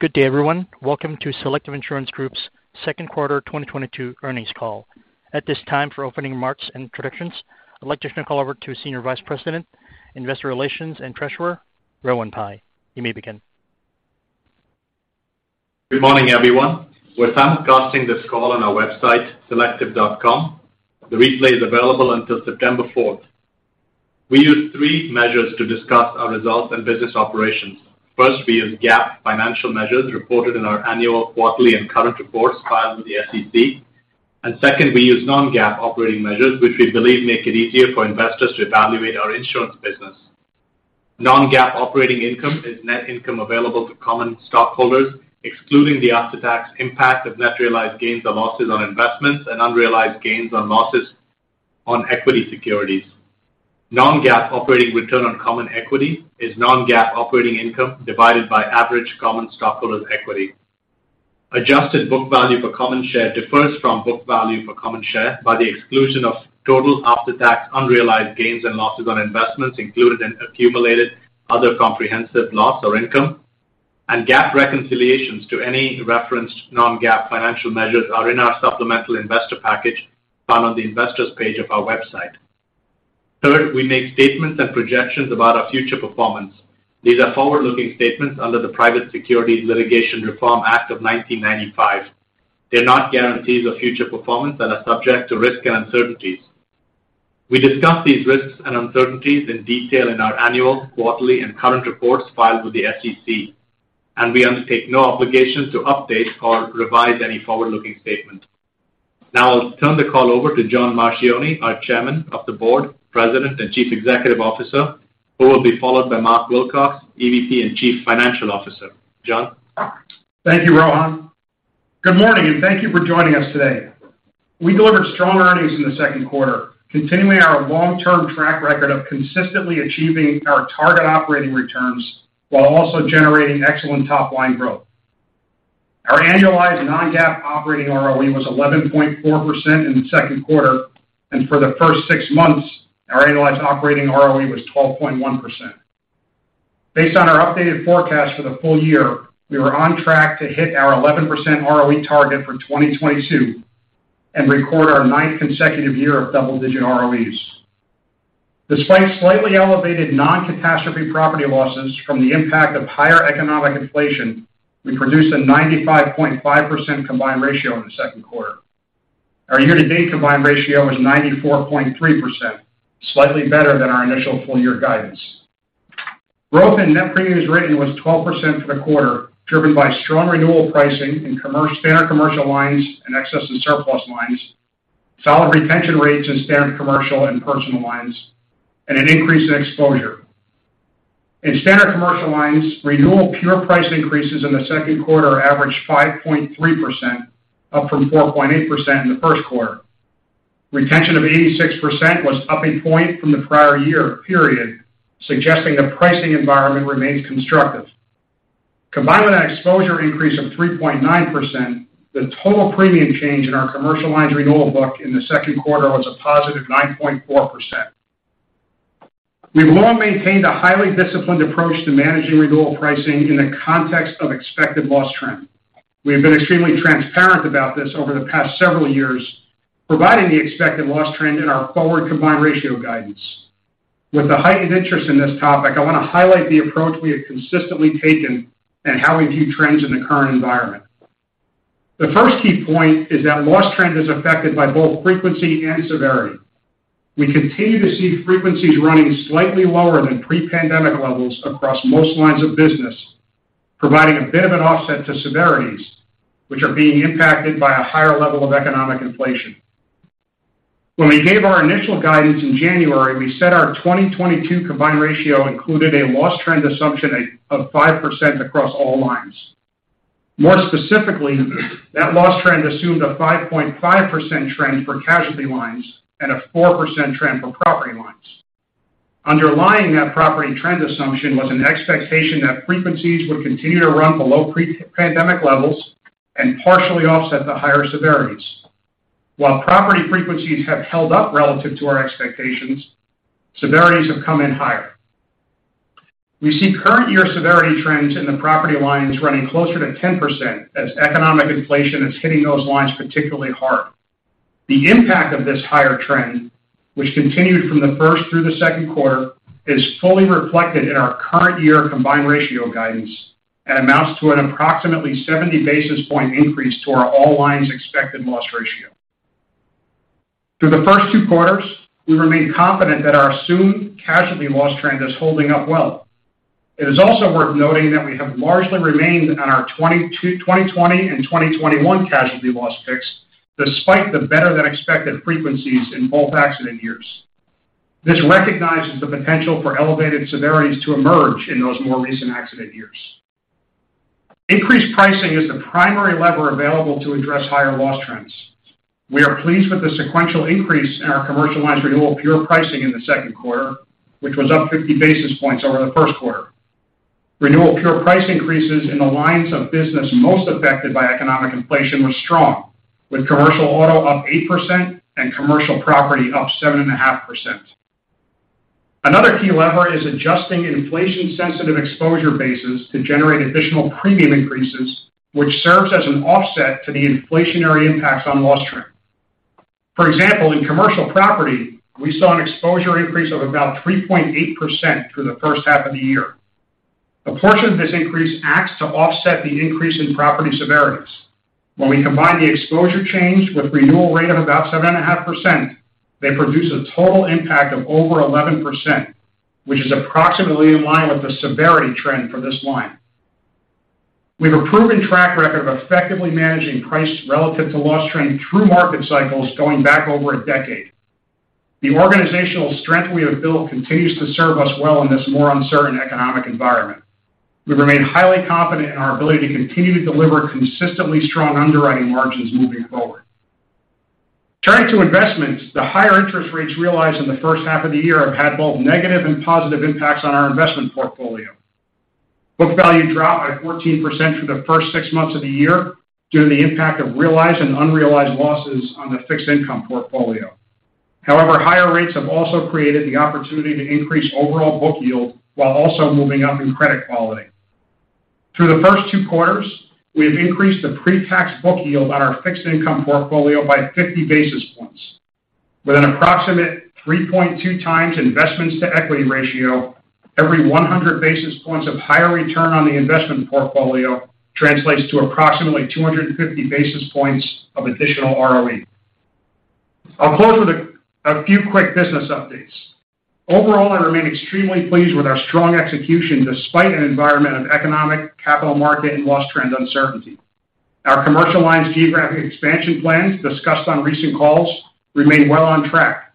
Good day, everyone. Welcome to Selective Insurance Group's Q2 2022 Earnings Call. At this time for opening remarks and introductions, I'd like to turn the call over to Senior Vice President, Investor Relations and Treasurer, Rohan Pai. You may begin. Good morning, everyone. We're simulcasting this call on our website, selective.com. The replay is available until September 4th. We use three measures to discuss our results and business operations. First, we use GAAP financial measures reported in our annual, quarterly, and current reports filed with the SEC. Second, we use non-GAAP operating measures, which we believe make it easier for investors to evaluate our insurance business. Non-GAAP operating income is net income available to common stockholders, excluding the after-tax impact of net realized gains or losses on investments and unrealized gains or losses on equity securities. Non-GAAP operating return on common equity is non-GAAP operating income divided by average common stockholders' equity. Adjusted book value per common share differs from book value per common share by the exclusion of total after-tax unrealized gains and losses on investments included in accumulated other comprehensive loss or income. GAAP reconciliations to any referenced non-GAAP financial measures are in our supplemental investor package found on the investors page of our website. Third, we make statements and projections about our future performance. These are forward-looking statements under the Private Securities Litigation Reform Act of 1995. They're not guarantees of future performance and are subject to risk and uncertainties. We discuss these risks and uncertainties in detail in our annual, quarterly, and current reports filed with the SEC, and we undertake no obligations to update or revise any forward-looking statement. Now I'll turn the call over to John Marchioni, our Chairman of the Board, President, and Chief Executive Officer, who will be followed by Mark Wilcox, EVP, and Chief Financial Officer. John? Thank you, Rohan. Good morning, and thank you for joining us today. We delivered strong earnings in the Q2, continuing our long-term track record of consistently achieving our target operating returns while also generating excellent top-line growth. Our annualized non-GAAP operating ROE was 11.4% in the Q2, and for the first six months, our annualized operating ROE was 12.1%. Based on our updated forecast for the full year, we are on track to hit our 11% ROE target for 2022 and record our ninth consecutive year of double-digit ROEs. Despite slightly elevated non-catastrophe property losses from the impact of higher economic inflation, we produced a 95.5% combined ratio in the Q2. Our year-to-date combined ratio is 94.3%, slightly better than our initial full-year guidance. Growth in net premiums written was 12% for the quarter, driven by strong renewal pricing in commercial, Standard Commercial Lines and Excess and Surplus Lines, solid retention rates in Standard Commercial and Personal Lines, and an increase in exposure. In Standard Commercial Lines, renewal pure price increases in the Q2 averaged 5.3%, up from 4.8% in the Q1. Retention of 86% was up a point from the prior year period, suggesting the pricing environment remains constructive. Combined with an exposure increase of 3.9%, the total premium change in our commercial lines renewal book in the Q2 was a +9.4%. We've long maintained a highly disciplined approach to managing renewal pricing in the context of expected loss trend. We have been extremely transparent about this over the past several years, providing the expected loss trend in our forward combined ratio guidance. With the heightened interest in this topic, I want to highlight the approach we have consistently taken and how we view trends in the current environment. The first key point is that loss trend is affected by both frequency and severity. We continue to see frequencies running slightly lower than pre-pandemic levels across most lines of business, providing a bit of an offset to severities, which are being impacted by a higher level of economic inflation. When we gave our initial guidance in January, we said our 2022 combined ratio included a loss trend assumption of 5% across all lines. More specifically, that loss trend assumed a 5.5% trend for casualty lines and a 4% trend for property lines. Underlying that property trend assumption was an expectation that frequencies would continue to run below pre-pandemic levels and partially offset the higher severities. While property frequencies have held up relative to our expectations, severities have come in higher. We see current year severity trends in the property lines running closer to 10% as economic inflation is hitting those lines particularly hard. The impact of this higher trend, which continued from the first through the Q2, is fully reflected in our current year combined ratio guidance and amounts to an approximately 70 basis point increase to our all lines expected loss ratio. Through the first two quarters, we remain confident that our assumed casualty loss trend is holding up well. It is also worth noting that we have largely remained on our 2020 and 2021 casualty loss mix despite the better-than-expected frequencies in both accident years. This recognizes the potential for elevated severities to emerge in those more recent accident years. Increased pricing is the primary lever available to address higher loss trends. We are pleased with the sequential increase in our Commercial Lines renewal pure pricing in the Q2, which was up 50 basis points over the Q1. Renewal pure price increases in the lines of business most affected by economic inflation were strong, with Commercial Auto up 8% and Commercial Property up 7.5%. Another key lever is adjusting inflation-sensitive exposure bases to generate additional premium increases, which serves as an offset to the inflationary impacts on loss trend. For example, in Commercial Property, we saw an exposure increase of about 3.8% through the first half of the year. A portion of this increase acts to offset the increase in property severities. When we combine the exposure change with renewal rate of about 7.5%, they produce a total impact of over 11%, which is approximately in line with the severity trend for this line. We have a proven track record of effectively managing price relative to loss trend through market cycles going back over a decade. The organizational strength we have built continues to serve us well in this more uncertain economic environment. We remain highly confident in our ability to continue to deliver consistently strong underwriting margins moving forward. Turning to investments. The higher interest rates realized in the first half of the year have had both negative and positive impacts on our investment portfolio. Book value dropped by 14% through the first six months of the year due to the impact of realized and unrealized losses on the fixed income portfolio. However, higher rates have also created the opportunity to increase overall book yield while also moving up in credit quality. Through the first two quarters, we have increased the pre-tax book yield on our fixed income portfolio by 50 basis points. With an approximate 3.2x investments to equity ratio, every 100 basis points of higher return on the investment portfolio translates to approximately 250 basis points of additional ROE. I'll close with a few quick business updates. Overall, I remain extremely pleased with our strong execution despite an environment of economic, capital market, and loss trend uncertainty. Our commercial lines geographic expansion plans discussed on recent calls remain well on track.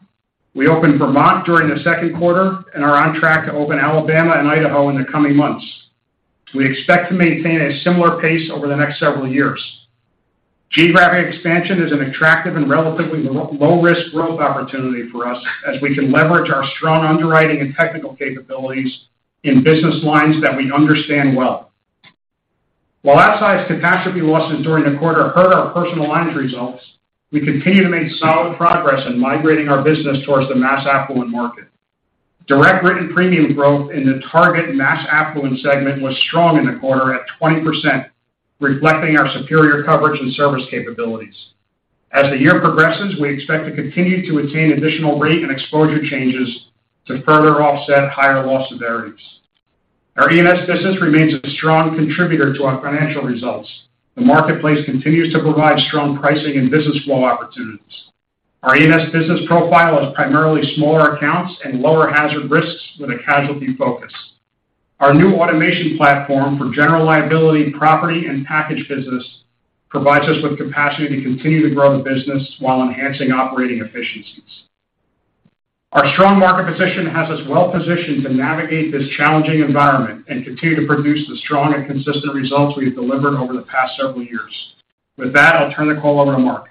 We opened Vermont during the Q2 and are on track to open Alabama and Idaho in the coming months. We expect to maintain a similar pace over the next several years. Geographic expansion is an attractive and relatively low risk growth opportunity for us as we can leverage our strong underwriting and technical capabilities in business lines that we understand well. While outsized catastrophe losses during the quarter hurt our personal lines results, we continue to make solid progress in migrating our business towards the mass affluent market. Direct written premium growth in the target mass affluent segment was strong in the quarter at 20%, reflecting our superior coverage and service capabilities. As the year progresses, we expect to continue to attain additional rate and exposure changes to further offset higher loss severities. Our E&S business remains a strong contributor to our financial results. The marketplace continues to provide strong pricing and business flow opportunities. Our E&S business profile is primarily smaller accounts and lower hazard risks with a casualty focus. Our new automation platform for General Liability, property, and package business provides us with capacity to continue to grow the business while enhancing operating efficiencies. Our strong market position has us well positioned to navigate this challenging environment and continue to produce the strong and consistent results we have delivered over the past several years. With that, I'll turn the call over to Mark.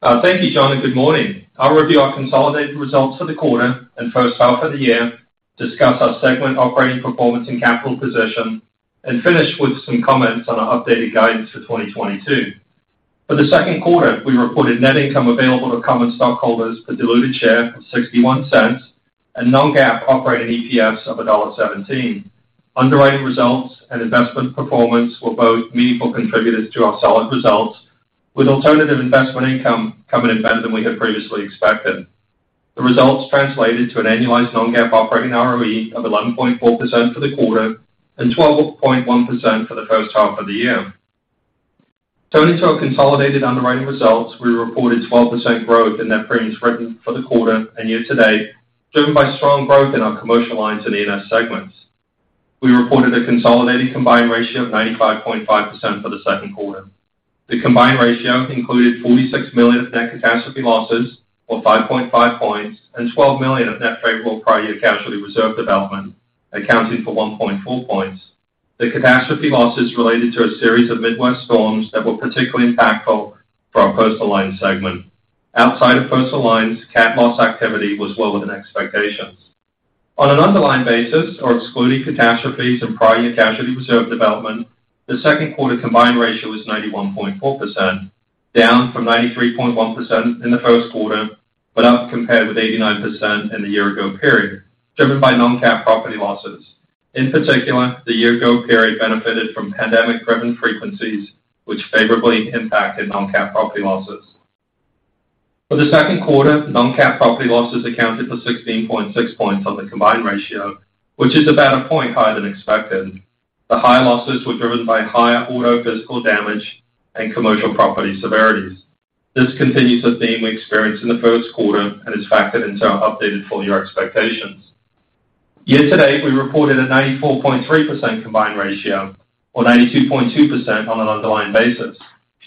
Thank you, John, and good morning. I'll review our consolidated results for the quarter and first half of the year, discuss our segment operating performance and capital position, and finish with some comments on our updated guidance for 2022. For the Q2, we reported net income available to common stockholders per diluted share of $0.61 and non-GAAP operating EPS of $1.17. Underwriting results and investment performance were both meaningful contributors to our solid results, with alternative investment income coming in better than we had previously expected. The results translated to an annualized non-GAAP operating ROE of 11.4% for the quarter and 12.1% for the first half of the year. Turning to our consolidated underwriting results, we reported 12% growth in net premiums written for the quarter and year to date, driven by strong growth in our commercial lines and E&S segments. We reported a consolidated combined ratio of 95.5% for the Q2. The combined ratio included $46 million of net catastrophe losses, or 5.5 points, and $12 million of net favorable prior year casualty reserve development, accounting for 1.4 points. The catastrophe losses related to a series of Midwest storms that were particularly impactful for our personal lines segment. Outside of personal lines, cat loss activity was well within expectations. On an underlying basis, or excluding catastrophes and prior year casualty reserve development, the Q2 combined ratio was 91.4%, down from 93.1% in the Q1, but up compared with 89% in the year ago period, driven by non-cat property losses. In particular, the year ago period benefited from pandemic-driven frequencies, which favorably impacted non-cat property losses. For the Q2, non-cat property losses accounted for 16.6 points on the combined ratio, which is about a point higher than expected. The higher losses were driven by higher auto physical damage and commercial property severities. This continues a theme we experienced in the Q1 and is factored into our updated full-year expectations. Year to date, we reported a 94.3% combined ratio or 92.2% on an underlying basis.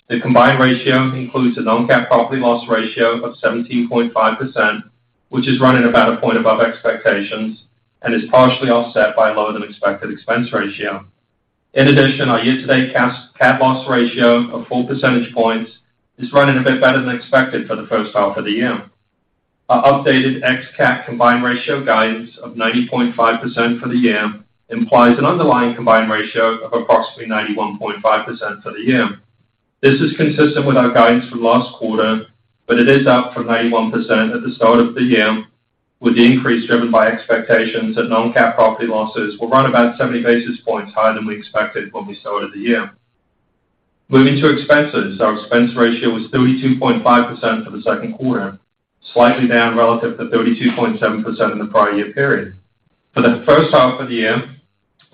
The combined ratio includes a non-cat property loss ratio of 17.5%, which is running about a point above expectations and is partially offset by a lower-than-expected expense ratio. In addition, our year-to-date cat loss ratio of 4 percentage points is running a bit better than expected for the first half of the year. Our updated ex-cat combined ratio guidance of 90.5% for the year implies an underlying combined ratio of approximately 91.5% for the year. This is consistent with our guidance from last quarter, but it is up from 91% at the start of the year, with the increase driven by expectations that non-cat property losses will run about 70 basis points higher than we expected when we started the year. Moving to expenses. Our expense ratio was 32.5% for the Q2, slightly down relative to 32.7% in the prior year period. For the first half of the year,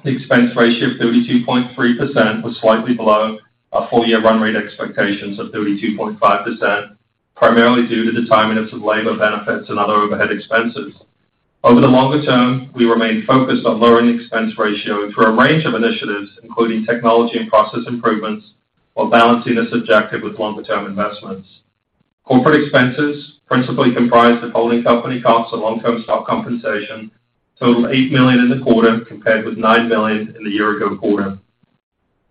the expense ratio of 32.3% was slightly below our full year run rate expectations of 32.5%, primarily due to the timeliness of labor benefits and other overhead expenses. Over the longer term, we remain focused on lowering expense ratio through a range of initiatives, including technology and process improvements, while balancing this objective with longer term investments. Corporate expenses, principally comprised of holding company costs and long-term stock compensation, totaled $8 million in the quarter, compared with $9 million in the year ago quarter.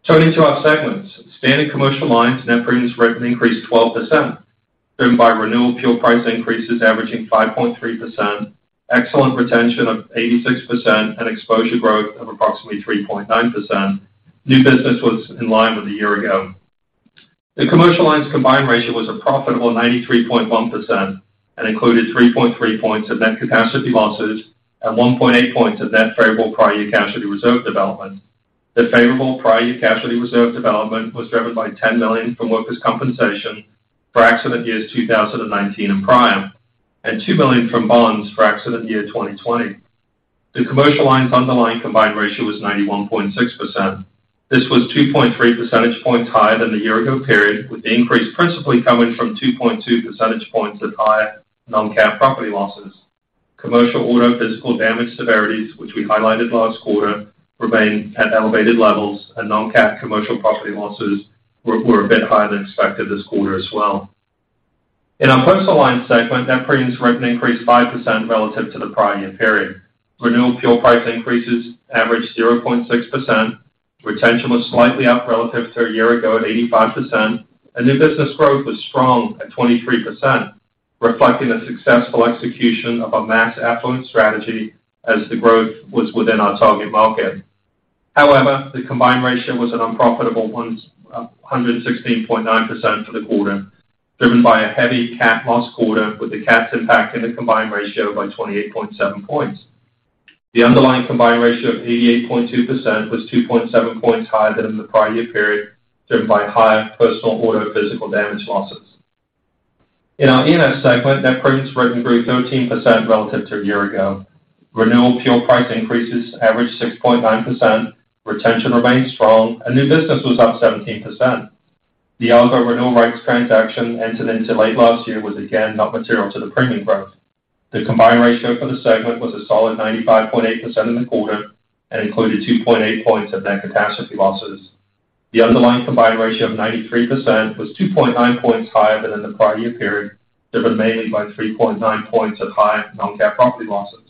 Turning to our segments. Standard Commercial Lines net premiums written increased 12%, driven by renewal pure price increases averaging 5.3%, excellent retention of 86%, and exposure growth of approximately 3.9%. New business was in line with a year ago. The Commercial Lines combined ratio was a profitable 93.1% and included 3.3 points of net catastrophe losses and 1.8 points of net favorable prior year casualty reserve development. The favorable prior year casualty reserve development was driven by $10 million from Workers' Compensation for accident years 2019 and prior, and $2 million from bonds for accident year 2020. The Commercial Lines underlying combined ratio was 91.6%. This was 2.3 percentage points higher than the year ago period, with the increase principally coming from 2.2 percentage points of higher non-CAT property losses. Commercial Auto physical damage severities, which we highlighted last quarter, remain at elevated levels, and non-CAT commercial property losses were a bit higher than expected this quarter as well. In our Personal Lines segment, net premiums written increased 5% relative to the prior year period. Renewal pure price increases averaged 0.6%. Retention was slightly up relative to a year ago at 85%, and new business growth was strong at 23%, reflecting the successful execution of our mass affluent strategy as the growth was within our target market. However, the combined ratio was an unprofitable 116.9% for the quarter, driven by a heavy CAT loss quarter, with the CATs impacting the combined ratio by 28.7 points. The underlying combined ratio of 88.2% was 2.7 points higher than in the prior year period, driven by higher personal auto physical damage losses. In our E&S segment, net premiums written grew 13% relative to a year ago. Renewal pure price increases averaged 6.9%. Retention remained strong, and new business was up 17%. The Argo renewal rates transaction entered into late last year was again not material to the premium growth. The combined ratio for the segment was a solid 95.8% in the quarter and included 2.8 points of net catastrophe losses. The underlying combined ratio of 93% was 2.9 points higher than in the prior year period, driven mainly by 3.9 points of high non-CAT property losses.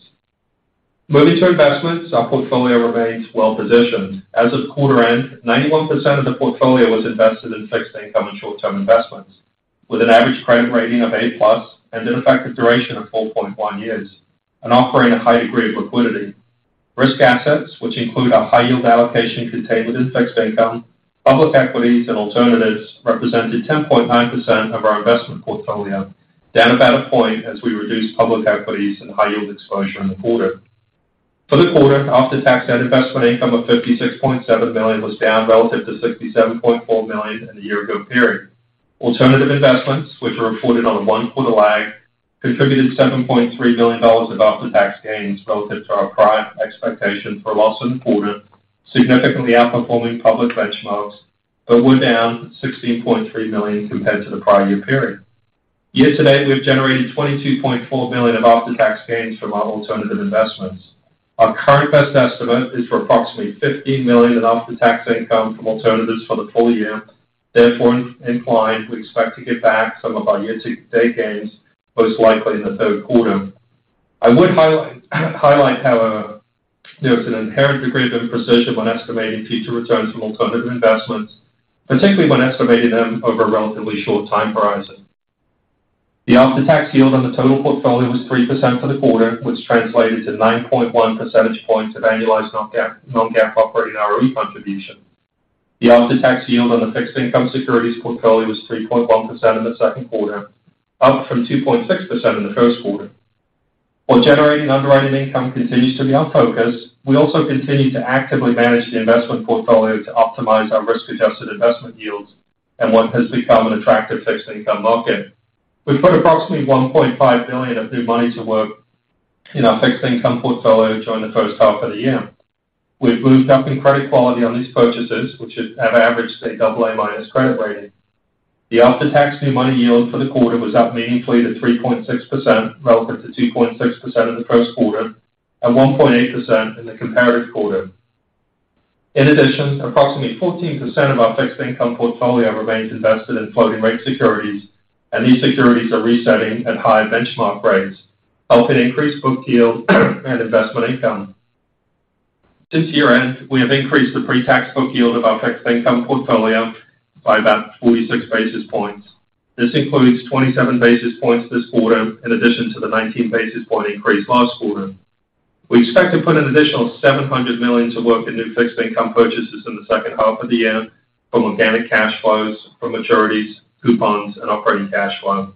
Moving to investments, our portfolio remains well positioned. As of quarter end, 91% of the portfolio was invested in fixed income and short-term investments with an average credit rating of A+ and an effective duration of 4.1 years and offering a high degree of liquidity. Risk assets, which include our high yield allocation contained within fixed income, public equities and alternatives, represented 10.9% of our investment portfolio, down about a point as we reduced public equities and high yield exposure in the quarter. For the quarter, after-tax investment income of $56.7 million was down relative to $67.4 million in the year ago period. Alternative investments, which are reported on a one-quarter lag, contributed $7.3 million of after-tax gains relative to our prior expectation for loss in the quarter, significantly outperforming public benchmarks, but were down $16.3 million compared to the prior year period. Year to date, we've generated $22.4 million of after-tax gains from our alternative investments. Our current best estimate is for approximately $15 million in after-tax income from alternatives for the full year. Therefore, in Q3, we expect to give back some of our year to date gains, most likely in the Q3. I would highlight how there's an inherent degree of imprecision when estimating future returns from alternative investments, particularly when estimating them over a relatively short time horizon. The after-tax yield on the total portfolio was 3% for the quarter, which translated to 9.1 percentage points of annualized non-GAAP operating ROE contribution. The after-tax yield on the fixed income securities portfolio was 3.1% in the Q2, up from 2.6% in the Q1. While generating underwriting income continues to be our focus, we also continue to actively manage the investment portfolio to optimize our risk-adjusted investment yields in what has become an attractive fixed income market. We put approximately $1.5 billion of new money to work in our fixed income portfolio during the first half of the year. We've moved up in credit quality on these purchases, which have averaged a AA- credit rating. The after-tax new money yield for the quarter was up meaningfully to 3.6% relative to 2.6% in the Q1 and 1.8% in the comparative quarter. In addition, approximately 14% of our fixed income portfolio remains invested in floating rate securities, and these securities are resetting at higher benchmark rates, helping increase book yield and investment income. Since year-end, we have increased the pre-tax book yield of our fixed income portfolio by about 46 basis points. This includes 27 basis points this quarter in addition to the 19 basis point increase last quarter. We expect to put an additional $700 million to work in new fixed income purchases in the second half of the year from organic cash flows, from maturities, coupons, and operating cash flow.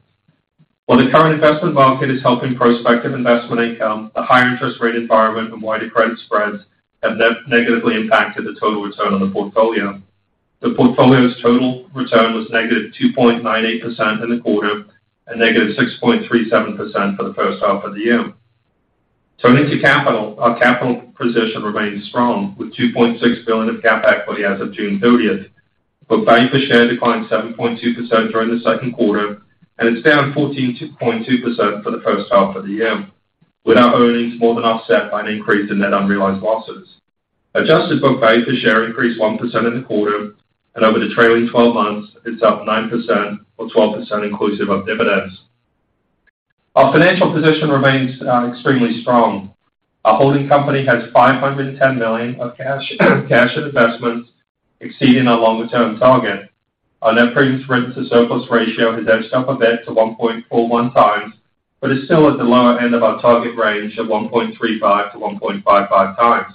While the current investment market is helping prospective investment income, the higher interest rate environment and wider credit spreads have negatively impacted the total return on the portfolio. The portfolio's total return was -2.98% in the quarter and -6.37% for the first half of the year. Turning to capital. Our capital position remains strong, with $2.6 billion of common equity as of June 30. Book value per share declined 7.2% during the Q2, and it's down 14.2% for the first half of the year, with our earnings more than offset by an increase in net unrealized losses. Adjusted book value per share increased 1% in the quarter, and over the trailing 12 months, it's up 9% or 12% inclusive of dividends. Our financial position remains extremely strong. Our holding company has $510 million of cash and investments exceeding our longer-term target. Our net premium to surplus ratio has edged up a bit to 1.41x, but is still at the lower end of our target range of 1.35-1.55x.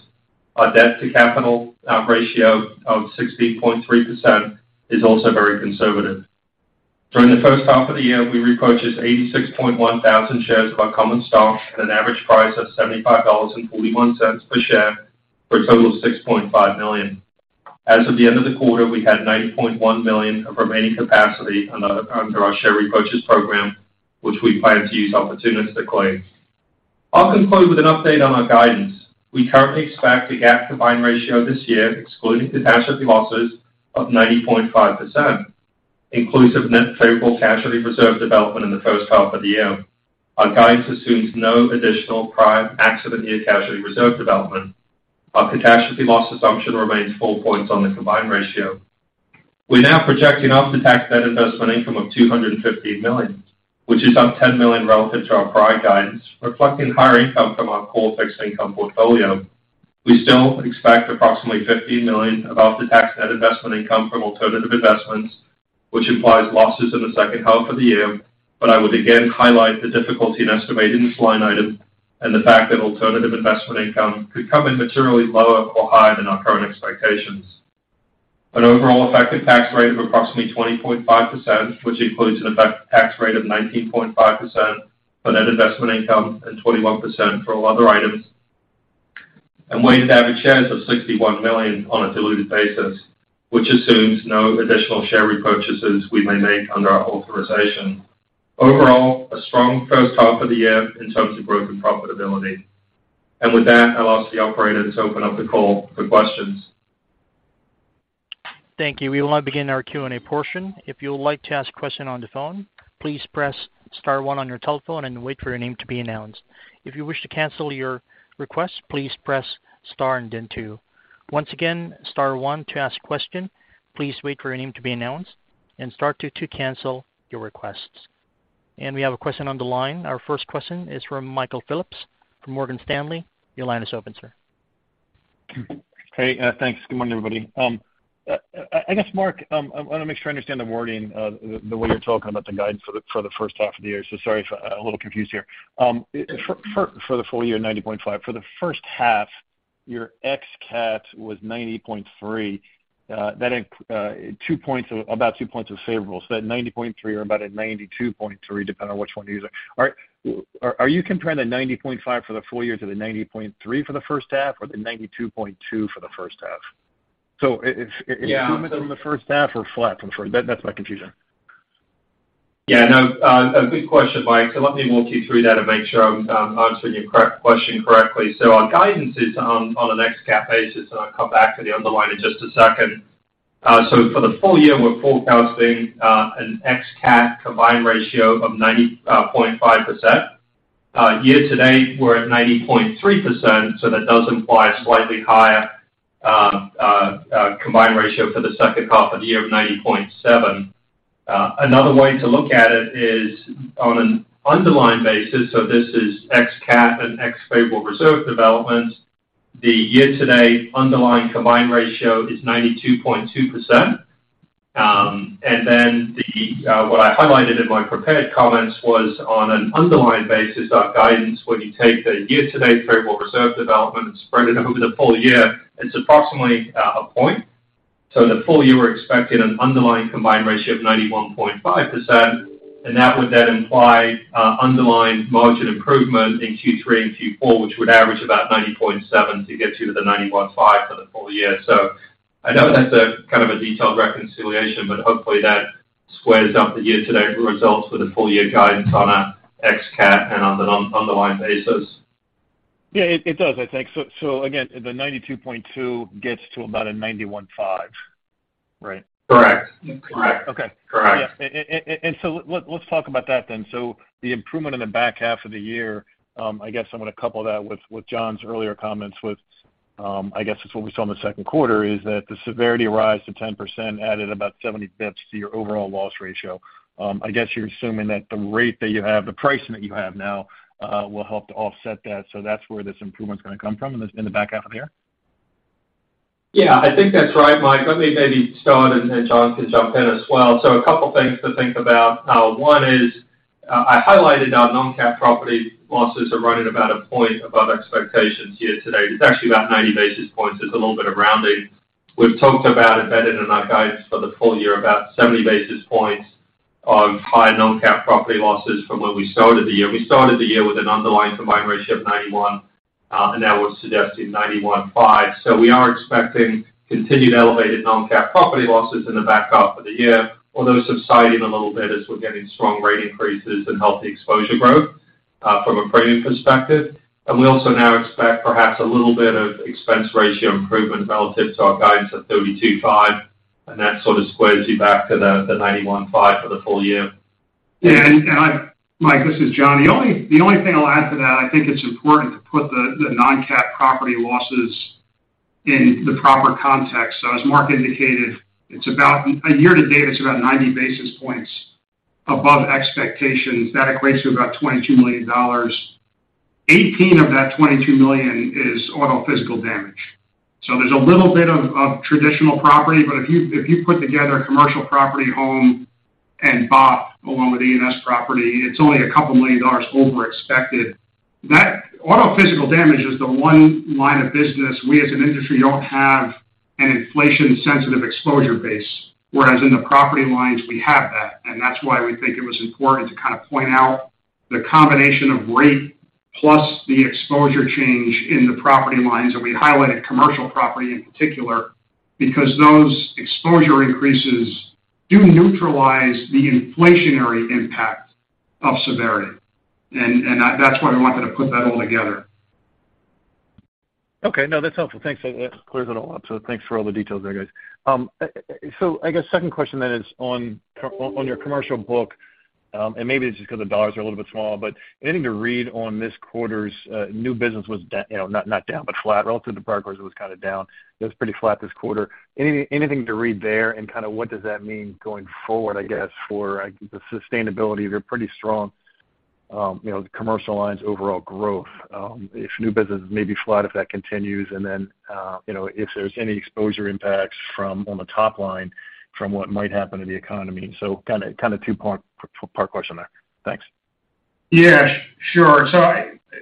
Our debt-to-capital ratio of 16.3% is also very conservative. During the first half of the year, we repurchased 86.1 thousand shares of our common stock at an average price of $75.41 per share for a total of $6.5 million. As of the end of the quarter, we had $9.1 million of remaining capacity under our share repurchase program, which we plan to use opportunistically. I'll conclude with an update on our guidance. We currently expect a GAAP combined ratio this year, excluding catastrophe losses, of 90.5%, inclusive of net favorable casualty reserve development in the first half of the year. Our guidance assumes no additional prior accident year casualty reserve development. Our catastrophe loss assumption remains 4 points on the combined ratio. We're now projecting after-tax net investment income of $250 million, which is up $10 million relative to our prior guidance, reflecting higher income from our core fixed income portfolio. We still expect approximately $50 million of after-tax net investment income from alternative investments, which implies losses in the second half of the year, but I would again highlight the difficulty in estimating this line item and the fact that alternative investment income could come in materially lower or higher than our current expectations. An overall effective tax rate of approximately 20.5%, which includes an effective tax rate of 19.5% for net investment income and 21% for all other items. Weighted average shares of 61 million on a diluted basis, which assumes no additional share repurchases we may make under our authorization. Overall, a strong first half of the year in terms of growth and profitability. With that, I'll ask the operator to open up the call for questions. Thank you. We will now begin our Q&A portion. If you would like to ask question on the phone, please press star one on your telephone and wait for your name to be announced. If you wish to cancel your request, please press star and then two. Once again, star one to ask question, please wait for your name to be announced, and star two to cancel your requests. We have a question on the line. Our first question is from Michael Phillips from Morgan Stanley. Your line is open, sir. Hey, thanks. Good morning, everybody. I guess, Mark, I wanna make sure I understand the wording of the way you're talking about the guidance for the first half of the year. Sorry if I'm a little confused here. For the full year, 90.5%. For the first half, your ex-cat was 90.3%. That about 2 points of favorable. At 90.3% or about at 92.3%, depending on which one you're using. Are you comparing the 90.5% for the full year to the 90.3% for the first half or the 92.2% for the first half? Yeah. Is it improvement on the first half or flat from the first? That, that's my confusion. Yeah, no, a good question, Mike. Let me walk you through that and make sure I'm answering your question correctly. Our guidance is on an ex cat basis, and I'll come back to the underlying in just a second. For the full year, we're forecasting an ex cat combined ratio of 90.5%. Year-to-date, we're at 90.3%, so that does imply a slightly higher combined ratio for the second half of the year of 90.7%. Another way to look at it is on an underlying basis, so this is ex cat and ex favorable reserve development. The year-to-date underlying combined ratio is 92.2%. What I highlighted in my prepared comments was on an underlying basis, our guidance when you take the year-to-date favorable reserve development and spread it over the full year, it's approximately a point. The full year, we're expecting an underlying combined ratio of 91.5%, and that would imply underlying margin improvement in Q3 and Q4, which would average about 90.7% to get to the 91.5% for the full year. I know that's a kind of a detailed reconciliation, but hopefully that squares up the year-to-date results with the full year guidance on an ex-cat and on an underlying basis. Yeah, it does, I think. Again, the 92.2% gets to about a 91.5%, right? Correct. Correct. Okay. Correct. Let's talk about that then. The improvement in the back half of the year, I guess I'm gonna couple that with John's earlier comments with what we saw in the Q2, is that the severity rise to 10% added about 70 basis points to your overall loss ratio. I guess you're assuming that the rate that you have, the pricing that you have now, will help to offset that. That's where this improvement's gonna come from in the back half of the year? Yeah, I think that's right, Mike. Let me maybe start, and John can jump in as well. A couple things to think about. One is, I highlighted our non-cat property losses are running about a point above expectations year to date. It's actually about 90 basis points. There's a little bit of rounding. We've talked about embedded in our guidance for the full year about 70 basis points of higher non-cat property losses from where we started the year. We started the year with an underlying combined ratio of 91, and now we're suggesting 91.5. We are expecting continued elevated non-cat property losses in the back half of the year, although subsiding a little bit as we're getting strong rate increases and healthy exposure growth, from a premium perspective. We also now expect perhaps a little bit of expense ratio improvement relative to our guidance of 32.5%, and that sort of squares you back to the 91.5% for the full year. Mike, this is John. The only thing I'll add to that, I think it's important to put the non-cat property losses in the proper context. As Mark indicated, it's about a year to date, it's about 90 basis points above expectations. That equates to about $22 million. 18 of that $22 million is auto physical damage. There's a little bit of traditional property, but if you put together commercial property, homeowners and BOP along with E&S property, it's only a couple million dollars over expected. Auto physical damage is the one line of business we as an industry don't have an inflation-sensitive exposure base, whereas in the property lines, we have that. That's why we think it was important to kind of point out the combination of rate plus the exposure change in the property lines. We highlighted commercial property in particular because those exposure increases do neutralize the inflationary impact of severity. That's why we wanted to put that all together. Okay. No, that's helpful. Thanks. That clears it all up. Thanks for all the details there, guys. I guess second question then is on your commercial book, and maybe it's just 'cause the dollars are a little bit small, but anything to read on this quarter's new business you know, not down, but flat. Relative to progress, it was kind of down. It was pretty flat this quarter. Anything to read there, and kind of what does that mean going forward, I guess, for the sustainability of your pretty strong, you know, commercial lines' overall growth, if new business may be flat, if that continues, and then, you know, if there's any exposure impacts from on the top line from what might happen in the economy. Kind of two part question there. Thanks. Yeah, sure.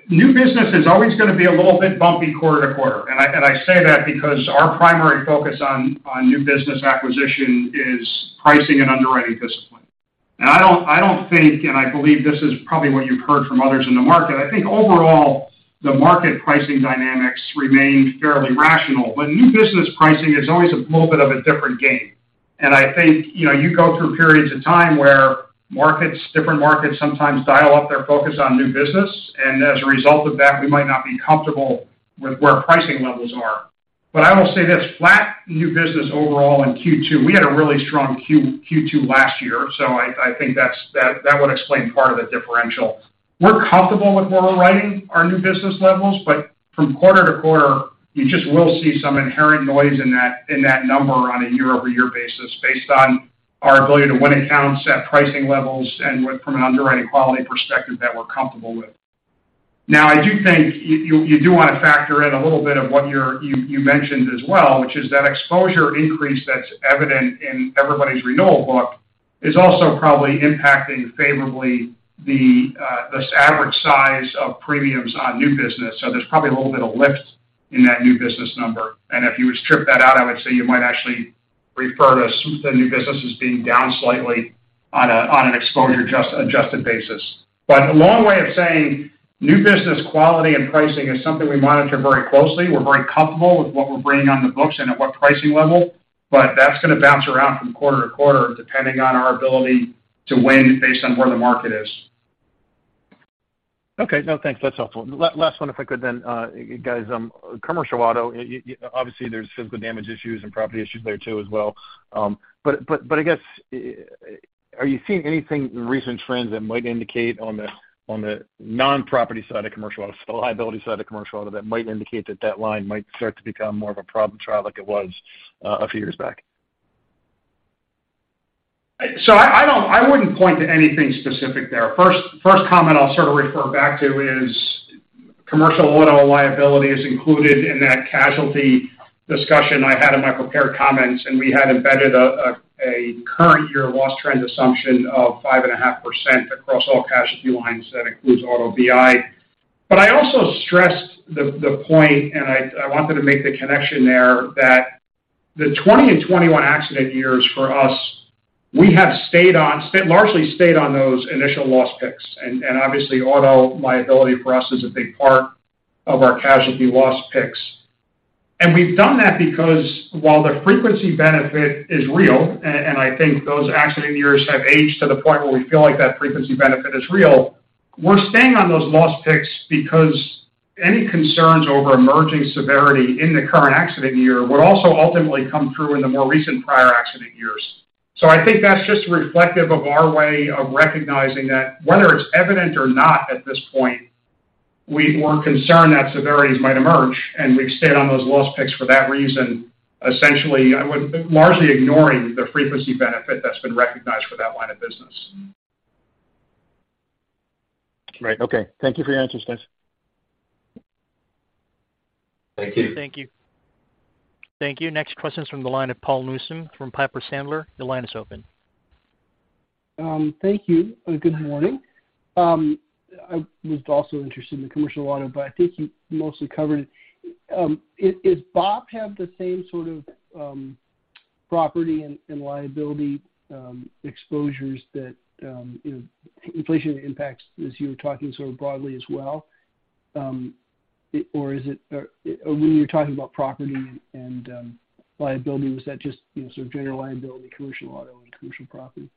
New business is always gonna be a little bit bumpy quarter to quarter. I say that because our primary focus on new business acquisition is pricing and underwriting discipline. I don't think, and I believe this is probably what you've heard from others in the market. I think overall, the market pricing dynamics remained fairly rational. New business pricing is always a little bit of a different game. I think, you know, you go through periods of time where markets, different markets sometimes dial up their focus on new business, and as a result of that, we might not be comfortable with where pricing levels are. I will say this, flat new business overall in Q2. We had a really strong Q2 last year, so I think that would explain part of the differential. We're comfortable with where we're writing our new business levels, but from quarter to quarter, you just will see some inherent noise in that number on a year-over-year basis based on our ability to win accounts at pricing levels and from an underwriting quality perspective that we're comfortable with. Now, I do think you do want to factor in a little bit of what you mentioned as well, which is that exposure increase that's evident in everybody's renewal book is also probably impacting favorably this average size of premiums on new business. So there's probably a little bit of lift in that new business number. If you strip that out, I would say you might actually refer to the new business as being down slightly on an exposure adjusted basis. a long way of saying new business quality and pricing is something we monitor very closely. We're very comfortable with what we're bringing on the books and at what pricing level, but that's gonna bounce around from quarter to quarter, depending on our ability to win based on where the market is. Okay. No, thanks. That's helpful. Last one, if I could then, guys. Commercial Auto, obviously, there's physical damage issues and property issues there too as well. I guess, are you seeing anything in recent trends that might indicate on the non-property side of Commercial Auto, so the liability side of Commercial Auto, that might indicate that line might start to become more of a problem child like it was a few years back? I wouldn't point to anything specific there. First comment I'll sort of refer back to is commercial auto liability is included in that casualty discussion I had in my prepared comments, and we had embedded a current year loss trend assumption of 5.5% across all casualty lines. That includes auto BI. I also stressed the point, and I wanted to make the connection there, that the 2020 and 2021 accident years for us, we have largely stayed on those initial loss picks. Obviously auto liability for us is a big part of our casualty loss picks. We've done that because while the frequency benefit is real, and I think those accident years have aged to the point where we feel like that frequency benefit is real, we're staying on those loss picks because any concerns over emerging severity in the current accident year would also ultimately come through in the more recent prior accident years. I think that's just reflective of our way of recognizing that whether it's evident or not at this point, we were concerned that severities might emerge, and we've stayed on those loss picks for that reason. Essentially, largely ignoring the frequency benefit that's been recognized for that line of business. Right. Okay. Thank you for your answers, guys. Thank you. Thank you. Next question is from the line of Paul Newsome from Piper Sandler. Your line is open. Thank you. Good morning. I was also interested in the Commercial Auto, but I think you mostly covered it. Is BOP have the same sort of property and liability exposures that you know inflation impacts as you were talking so broadly as well? Or when you're talking about property and liability, was that just you know sort of General Liability, Commercial Auto and Commercial Property?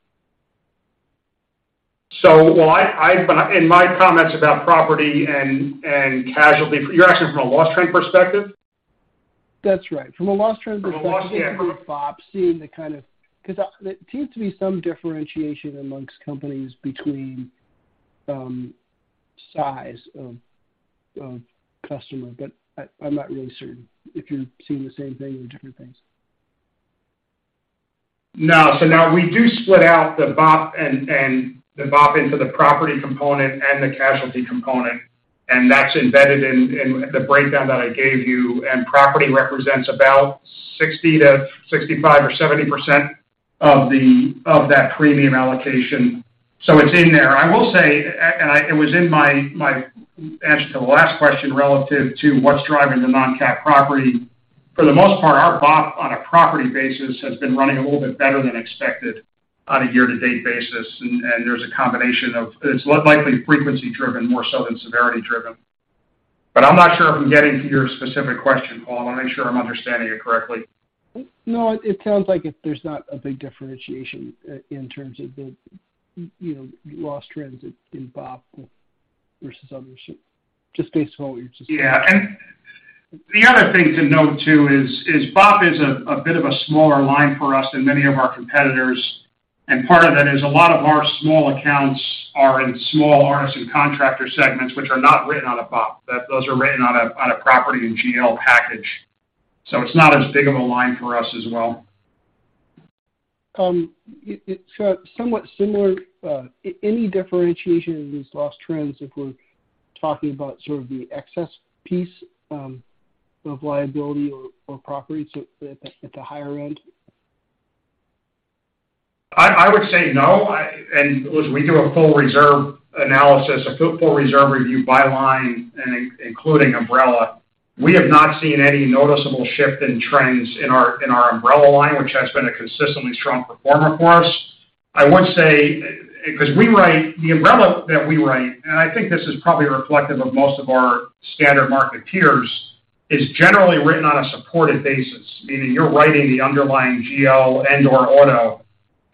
Well, but in my comments about property and casualty, you're asking from a loss trend perspective? That's right. From a loss trend perspective. From a loss, yeah. For BOP, because there seems to be some differentiation among companies between size of customer, but I'm not really certain if you're seeing the same thing or different things? No. Now we do split out the BOP and the BOP into the property component and the casualty component, and that's embedded in the breakdown that I gave you. Property represents about 60%-65% or 70% of that premium allocation. It's in there. I will say, it was in my answer to the last question relative to what's driving the non-cat property. For the most part, our BOP on a property basis has been running a little bit better than expected on a year-to-date basis. There's a combination of. It's likely frequency driven more so than severity driven. I'm not sure if I'm getting to your specific question, Paul. I wanna make sure I'm understanding it correctly. No, it sounds like it, there's not a big differentiation in terms of the, you know, loss trends in BOP versus others. Just based on what you're saying. Yeah. The other thing to note too is BOP is a bit of a smaller line for us than many of our competitors. Part of that is a lot of our small accounts are in small artisan contractor segments, which are not written on a BOP. Those are written on a property and GL package. It's not as big of a line for us as well. It's somewhat similar. Any differentiation in these loss trends if we're talking about sort of the excess piece of liability or property at the higher end? I would say no. Listen, we do a full reserve analysis, a full reserve review by line and including umbrella. We have not seen any noticeable shift in trends in our umbrella line, which has been a consistently strong performer for us. I would say, 'cause the umbrella that we write, and I think this is probably reflective of most of our standard market peers, is generally written on a supported basis, meaning you're writing the underlying GL and/or auto.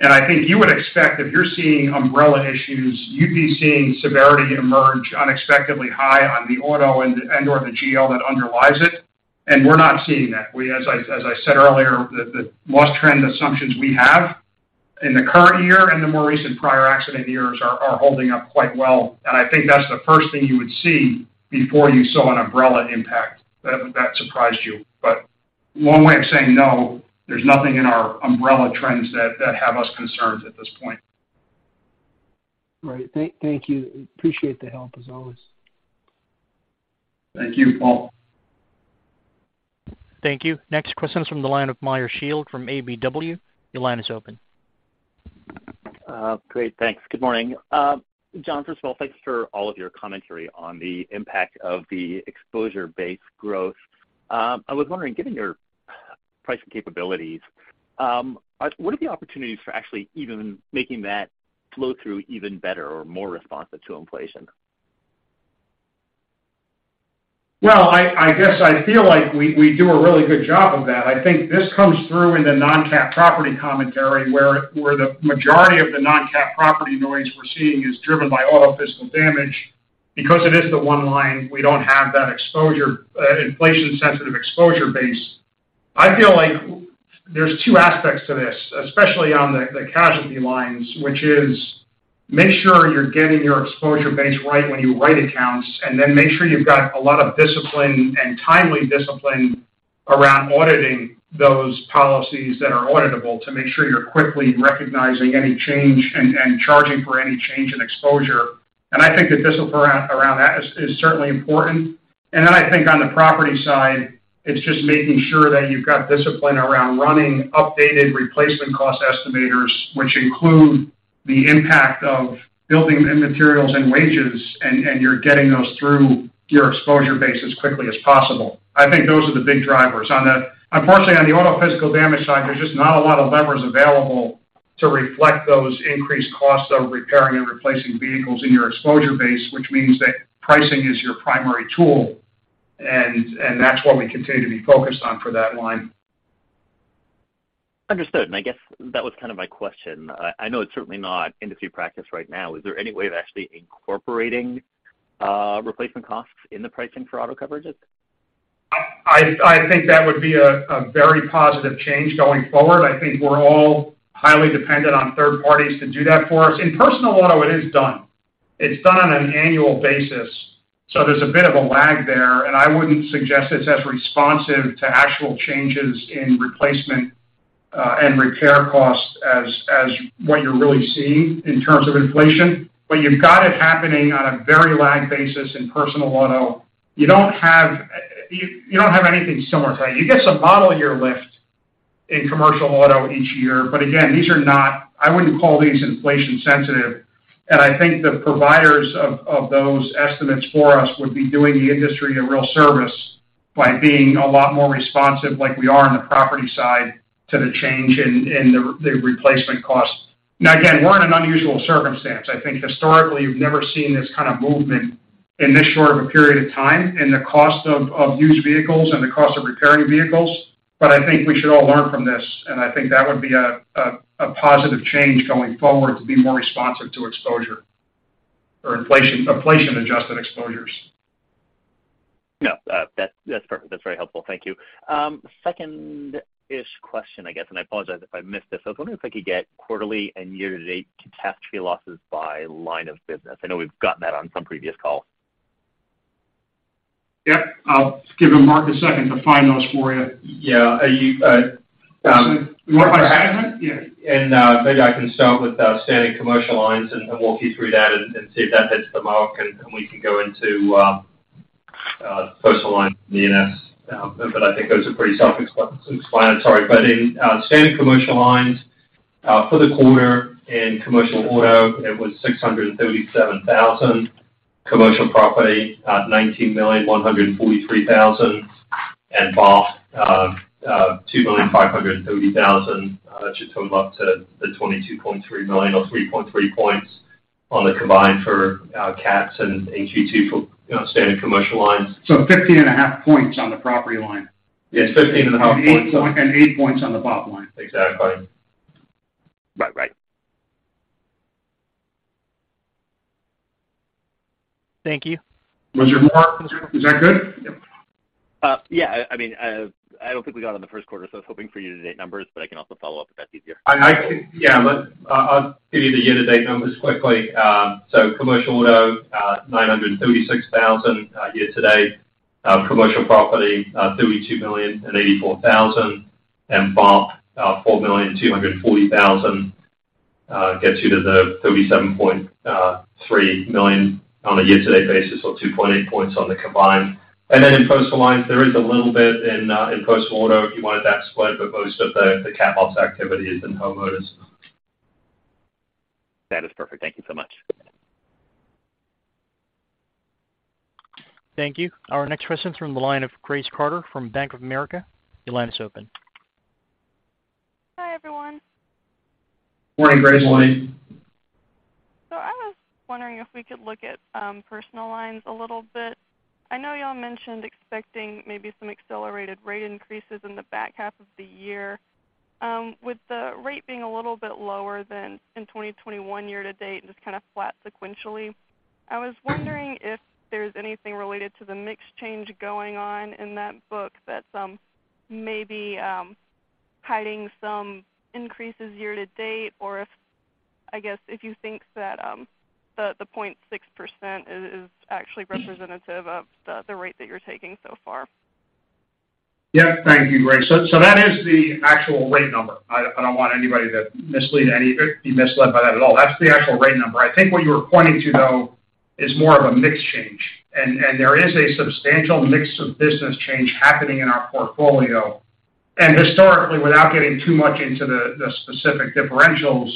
I think you would expect if you're seeing umbrella issues, you'd be seeing severity emerge unexpectedly high on the auto and/or the GL that underlies it. We're not seeing that. As I said earlier, the loss trend assumptions we have in the current year and the more recent prior accident years are holding up quite well. I think that's the first thing you would see before you saw an umbrella impact that surprised you. One way of saying no, there's nothing in our umbrella trends that have us concerned at this point. Right. Thank you. Appreciate the help, as always. Thank you, Paul. Thank you. Next question is from the line of Meyer Shields from KBW. Your line is open. Great. Thanks. Good morning. John, first of all, thanks for all of your commentary on the impact of the exposure-based growth. I was wondering, given your pricing capabilities, what are the opportunities for actually even making that flow through even better or more responsive to inflation? I guess I feel like we do a really good job of that. I think this comes through in the non-cat property commentary, where the majority of the non-cat property noise we're seeing is driven by auto physical damage. Because it is the one line, we don't have that inflation-sensitive exposure base. I feel like there's two aspects to this, especially on the casualty lines, which is make sure you're getting your exposure base right when you write accounts, and then make sure you've got a lot of discipline and timely discipline around auditing those policies that are auditable to make sure you're quickly recognizing any change and charging for any change in exposure. I think the discipline around that is certainly important. Then I think on the property side, it's just making sure that you've got discipline around running updated replacement cost estimators, which include the impact of building and materials and wages, and you're getting those through your exposure base as quickly as possible. I think those are the big drivers. Unfortunately, on the auto physical damage side, there's just not a lot of levers available to reflect those increased costs of repairing and replacing vehicles in your exposure base, which means that pricing is your primary tool, and that's what we continue to be focused on for that line. Understood. I guess that was kind of my question. I know it's certainly not industry practice right now. Is there any way of actually incorporating, replacement costs in the pricing for auto coverages? I think that would be a very positive change going forward. I think we're all highly dependent on third parties to do that for us. In personal auto, it is done. It's done on an annual basis, so there's a bit of a lag there, and I wouldn't suggest it's as responsive to actual changes in replacement and repair costs as what you're really seeing in terms of inflation. You've got it happening on a very lag basis in personal auto. You don't have anything similar to that. You get some model year lift in commercial auto each year. Again, I wouldn't call these inflation sensitive. I think the providers of those estimates for us would be doing the industry a real service by being a lot more responsive, like we are on the property side, to the change in the replacement cost. Now, again, we're in an unusual circumstance. I think historically, you've never seen this kind of movement in this short of a period of time in the cost of used vehicles and the cost of repairing vehicles. I think we should all learn from this, and I think that would be a positive change going forward to be more responsive to exposure or inflation-adjusted exposures. No, that's perfect. That's very helpful. Thank you. Second-ish question, I guess, and I apologize if I missed this. I was wondering if I could get quarterly and year-to-date catastrophe losses by line of business. I know we've gotten that on some previous calls. Yeah. I'll give Mark a second to find those for you. Yeah. Are you? You want it by segment? Yeah. Maybe I can start with standard commercial lines and walk you through that and see if that hits the mark, and we can go into personal lines and E&S. I think those are pretty self-explanatory. In standard commercial lines, for the quarter in commercial auto, it was $637,000. Commercial property, $19,143,000. BOP, $2,530,000. That should total up to the $22.3 million or 3.3 points on the combined for cats in Q2 for, you know, standard commercial lines. 15.5 points on the property line. Yes, 15.5 points on. 8 points on the BOP line. Exactly. Right. Right. Thank you. Was there more? Is that good? Yep. I mean, I don't think we got on the Q1, so I was hoping for year-to-date numbers, but I can also follow up if that's easier. Yeah. Let's, I'll give you the year-to-date numbers quickly. So Commercial Auto, $936,000 year-to-date. Commercial Property, $32,084,000. BOP, $4,240,000 gets you to the $37.3 million on a year-to-date basis or 2.8 points on the combined. Then in Personal Lines, there is a little bit in personal auto if you wanted that split, but most of the cat loss activity is in homeowners. That is perfect. Thank you so much. Thank you. Our next question's from the line of Grace Carter from Bank of America. Your line is open. Hi, everyone. Morning, Grace. Morning. I was wondering if we could look at personal lines a little bit. I know y'all mentioned expecting maybe some accelerated rate increases in the back half of the year. With the rate being a little bit lower than in 2021 year to date and just kind of flat sequentially, I was wondering if there's anything related to the mix change going on in that book that's maybe hiding some increases year to date, or if, I guess, if you think that the 0.6% is actually representative of the rate that you're taking so far. Yeah. Thank you, Grace. That is the actual rate number. I don't want anybody to be misled by that at all. That's the actual rate number. I think what you're pointing to, though, is more of a mix change. There is a substantial mix of business change happening in our portfolio. Historically, without getting too much into the specific differentials,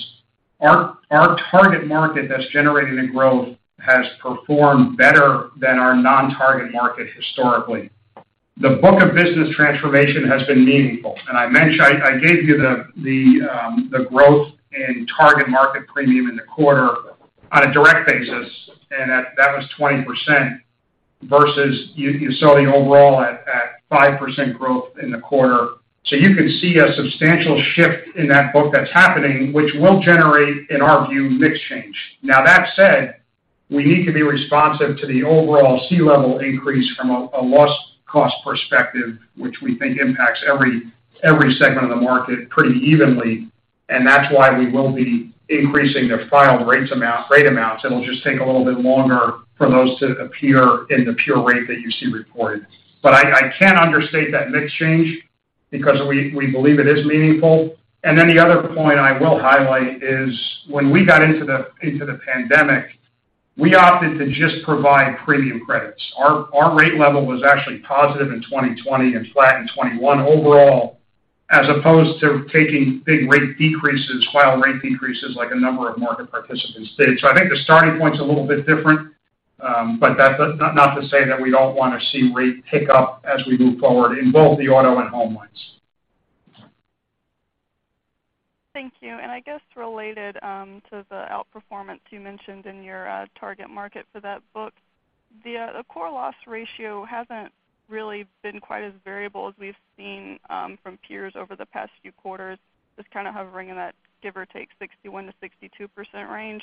our target market that's generating the growth has performed better than our non-target market historically. The book of business transformation has been meaningful. I mentioned. I gave you the growth in target market premium in the quarter on a direct basis, and that was 20% versus you saw the overall at 5% growth in the quarter. You can see a substantial shift in that book that's happening, which will generate, in our view, mix change. Now, that said, we need to be responsive to the overall severity increase from a loss cost perspective, which we think impacts every segment of the market pretty evenly. That's why we will be increasing the filed rate amounts. It'll just take a little bit longer for those to appear in the pure rate that you see reported. I can't understate that mix change because we believe it is meaningful. Then the other point I will highlight is when we got into the pandemic, we opted to just provide premium credits. Our rate level was actually positive in 2020 and flat in 2021 overall, as opposed to taking big rate decreases, filed rate decreases like a number of market participants did. I think the starting point's a little bit different, but that's not to say that we don't want to see rate pick up as we move forward in both the auto and home lines. Thank you. I guess related to the outperformance you mentioned in your target market for that book, the core loss ratio hasn't really been quite as variable as we've seen from peers over the past few quarters. Just kind of hovering in that give or take 61%-62% range.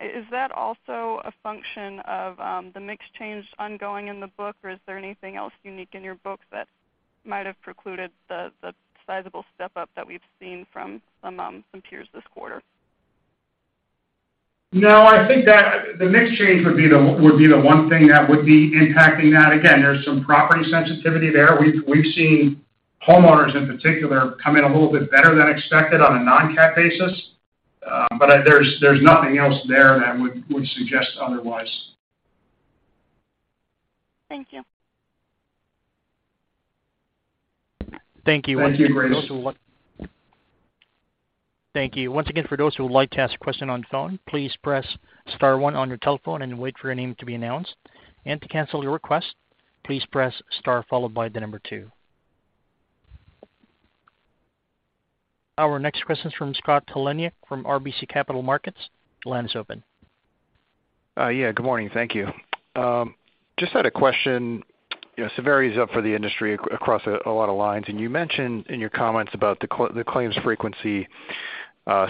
Is that also a function of the mix change ongoing in the book, or is there anything else unique in your books that might have precluded the sizable step-up that we've seen from some peers this quarter? No, I think that the mix change would be the one thing that would be impacting that. Again, there's some property sensitivity there. We've seen homeowners in particular come in a little bit better than expected on a non-CAT basis. There's nothing else there that would suggest otherwise. Thank you. Thank you. Thank you, Grace. Thank you. Once again, for those who would like to ask a question on the phone, please press star one on your telephone and wait for your name to be announced. To cancel your request, please press star followed by the number two. Our next question is from Scott Heleniak from RBC Capital Markets. The line is open. Yeah, good morning. Thank you. Just had a question. You know, severity is up for the industry across a lot of lines, and you mentioned in your comments about the claims frequency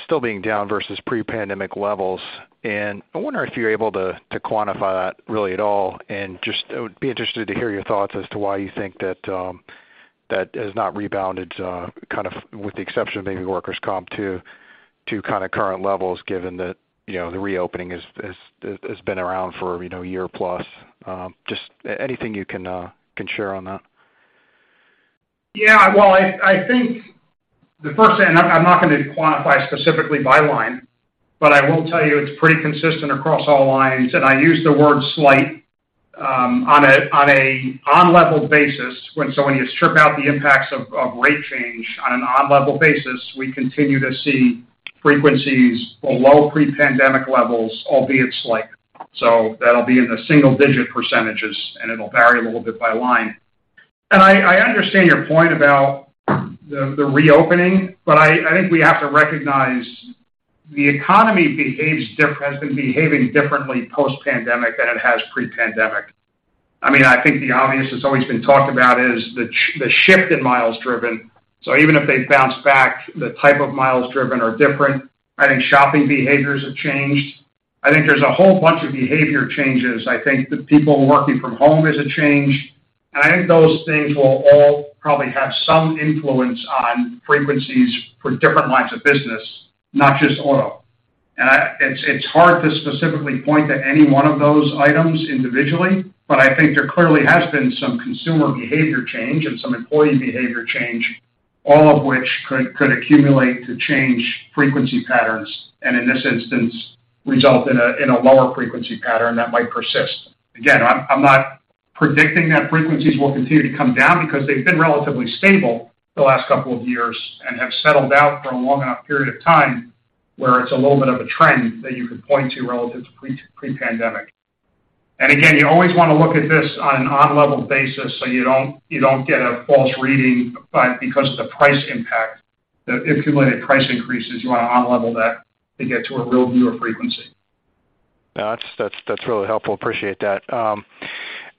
still being down versus pre-pandemic levels. I wonder if you're able to quantify that really at all. Just, I would be interested to hear your thoughts as to why you think that has not rebounded, kind of with the exception of maybe workers' comp to current levels, given that, you know, the reopening has been around for a year plus. Just anything you can share on that? Yeah. Well, I think the first thing, I'm not gonna quantify specifically by line, but I will tell you it's pretty consistent across all lines. I use the word slight on an on-level basis, so when you strip out the impacts of rate change on an on-level basis, we continue to see frequencies below pre-pandemic levels, albeit slight. That'll be in the single-digit percentages, and it'll vary a little bit by line. I understand your point about the reopening, but I think we have to recognize the economy has been behaving differently post-pandemic than it has pre-pandemic. I mean, I think the obvious that's always been talked about is the shift in miles driven. Even if they bounce back, the type of miles driven are different. I think shopping behaviors have changed. I think there's a whole bunch of behavior changes. I think the people working from home is a change. I think those things will all probably have some influence on frequencies for different lines of business, not just auto. It's hard to specifically point to any one of those items individually, but I think there clearly has been some consumer behavior change and some employee behavior change, all of which could accumulate to change frequency patterns, and in this instance, result in a lower frequency pattern that might persist. Again, I'm not predicting that frequencies will continue to come down because they've been relatively stable the last couple of years and have settled out for a long enough period of time where it's a little bit of a trend that you could point to relative to pre-pandemic. Again, you always wanna look at this on an on-level basis, so you don't get a false reading by, because of the price impact, the accumulated price increases, you wanna on-level that to get to a real view of frequency. No, that's really helpful. Appreciate that.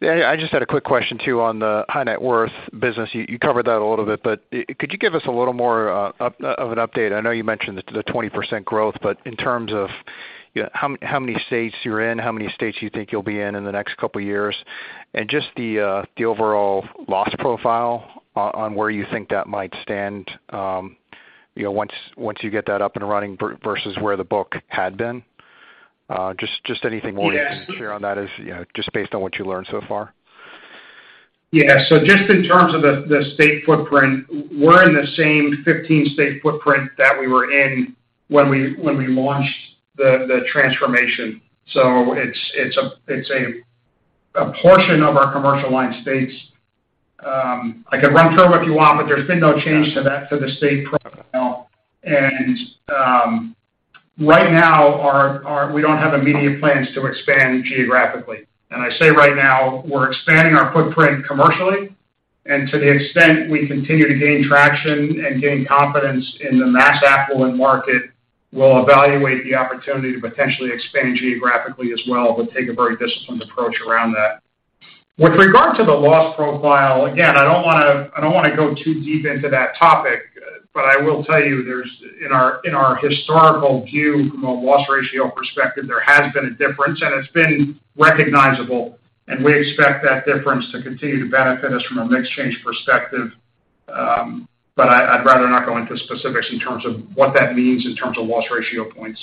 I just had a quick question, too, on the high net worth business. You covered that a little bit, but could you give us a little more of an update? I know you mentioned the 20% growth, but in terms of, you know, how many states you're in, how many states you think you'll be in in the next couple years, and just the overall loss profile on where you think that might stand, you know, once you get that up and running versus where the book had been? Anything more you can share on that is, you know, just based on what you learned so far. Yeah. Just in terms of the state footprint, we're in the same 15-state footprint that we were in when we launched the transformation. It's a portion of our commercial line states. I can run through them if you want, but there's been no change to that for the state profile. Right now we don't have immediate plans to expand geographically. I say right now we're expanding our footprint commercially. To the extent we continue to gain traction and gain confidence in the Mass affluent market, we'll evaluate the opportunity to potentially expand geographically as well, but take a very disciplined approach around that. With regard to the loss profile, again, I don't wanna go too deep into that topic, but I will tell you there's, in our historical view from a loss ratio perspective, there has been a difference, and it's been recognizable, and we expect that difference to continue to benefit us from a mix change perspective. I'd rather not go into specifics in terms of what that means in terms of loss ratio points.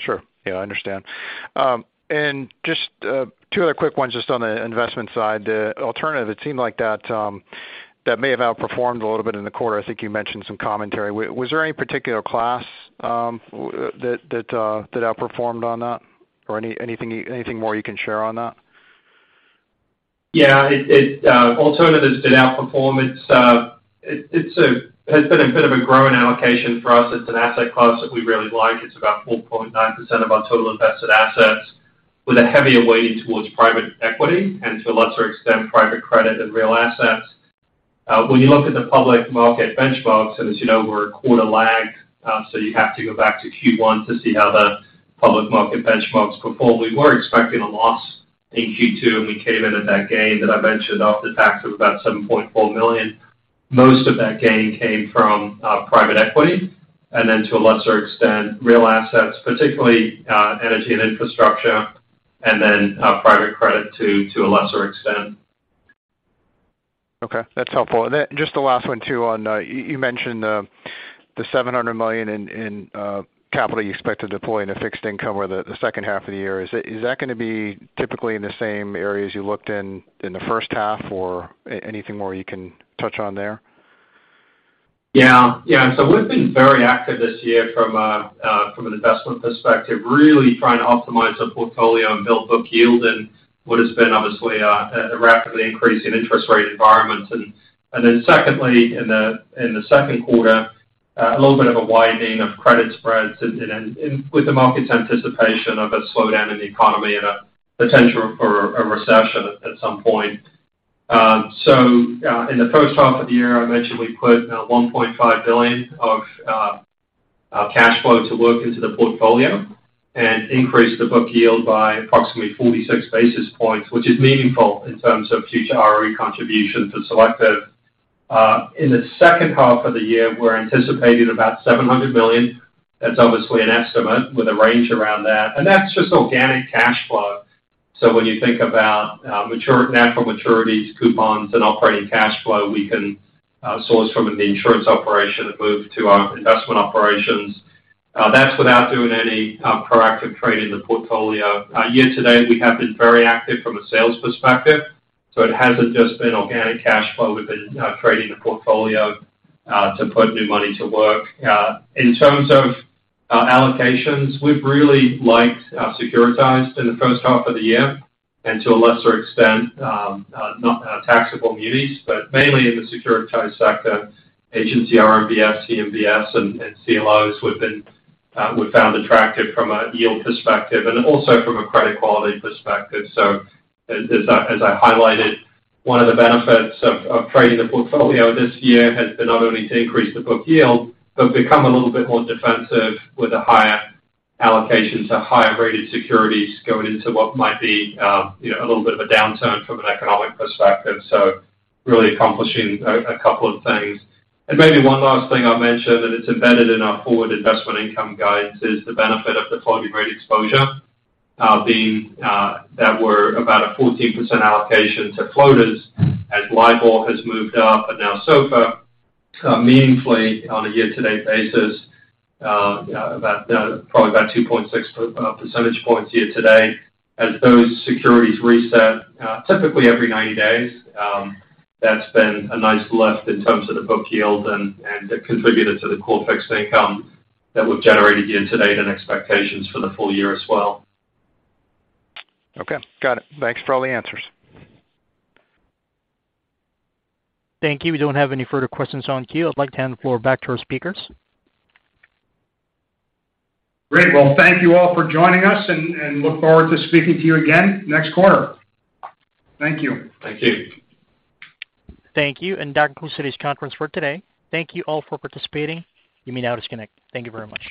Sure. Yeah, I understand. Just two other quick ones just on the investment side. The alternative, it seemed like that may have outperformed a little bit in the quarter. I think you mentioned some commentary. Was there any particular class that outperformed on that or anything more you can share on that? Yeah. Alternatives did outperform. It's been a bit of a growing allocation for us. It's an asset class that we really like. It's about 4.9% of our total invested assets with a heavier weighting towards private equity and to a lesser extent, private credit and real assets. When you look at the public market benchmarks, and as you know, we're a quarter lag, so you have to go back to Q1 to see how the public market benchmarks perform. We were expecting a loss in Q2, and we came in at that gain that I mentioned after tax of about $7.4 million. Most of that gain came from private equity and then to a lesser extent, real assets, particularly energy and infrastructure, and then private credit to a lesser extent. Okay, that's helpful. Then just the last one too on you mentioned the $700 million in capital you expect to deploy in fixed income over the second half of the year. Is that gonna be typically in the same areas you looked in the first half or anything more you can touch on there? We've been very active this year from an investment perspective, really trying to optimize the portfolio and build book yield in what has been obviously a rapidly increasing interest rate environment. Secondly, in the Q2, a little bit of a widening of credit spreads and with the market's anticipation of a slowdown in the economy and a potential for a recession at some point. In the first half of the year, I mentioned we put $1.5 billion of cash flow to work into the portfolio and increased the book yield by approximately 46 basis points, which is meaningful in terms of future ROE contribution to Selective. In the second half of the year, we're anticipating about $700 million. That's obviously an estimate with a range around that, and that's just organic cash flow. When you think about natural maturities, coupons, and operating cash flow, we can source from the insurance operation that moved to our investment operations. That's without doing any proactive trade in the portfolio. Year to date, we have been very active from a sales perspective. It hasn't just been organic cash flow. We've been trading the portfolio to put new money to work. In terms of allocations, we've really liked our securitized in the first half of the year and to a lesser extent not taxable munis, but mainly in the securitized sector, agency RMBS, CMBS, and CLOs we've found attractive from a yield perspective and also from a credit quality perspective. As I highlighted, one of the benefits of trading the portfolio this year has been not only to increase the book yield, but become a little bit more defensive with the higher allocations to higher-rated securities going into what might be, you know, a little bit of a downturn from an economic perspective. Really accomplishing a couple of things. Maybe one last thing I'll mention, and it's embedded in our forward investment income guidance, is the benefit of the floating rate exposure being that we're about a 14% allocation to floaters as LIBOR has moved up, but now SOFR meaningfully on a year-to-date basis about probably about 2.6 percentage points year to date. As those securities reset, typically every 90 days, that's been a nice lift in terms of the book yield and contributed to the core fixed income that we've generated year to date and expectations for the full year as well. Okay. Got it. Thanks for all the answers. Thank you. We don't have any further questions in the queue. I'd like to hand the floor back to our speakers. Great. Well, thank you all for joining us and look forward to speaking to you again next quarter. Thank you. Thank you. Thank you. That concludes today's conference for today. Thank you all for participating. You may now disconnect. Thank you very much.